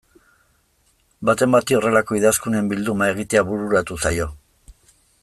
Baten bati horrelako idazkunen bilduma egitea bururatu zaio.